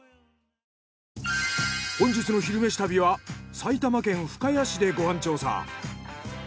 本日の「昼めし旅」は埼玉県深谷市でご飯調査。